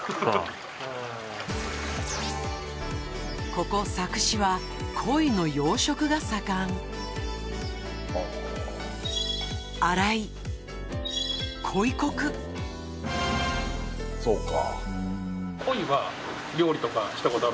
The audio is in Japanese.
ここ佐久市は鯉の養殖が盛んそうか。